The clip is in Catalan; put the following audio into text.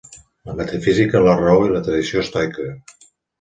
La metafísica, la raó, i la tradició estoica.